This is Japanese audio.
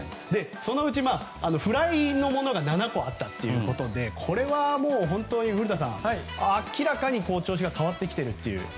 そのうちフライのものが７個あったということでこれはもう、本当に古田さん明らかに調子が変わってきているという。